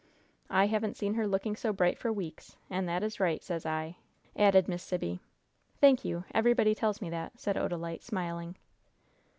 "I haven't seen her looking so bright for weeks. And that is right, sez I," added Miss Sibby. "Thank you. Everybody tells me that," said Odalite, smiling.